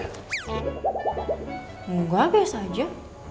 enggak biasa aja